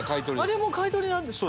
あれも買い取りなんですか？